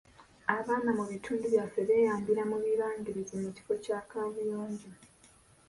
Abaana mu bitundu byaffe beeyambira mu bibangirizi mu kifo kya kaabuyonjo.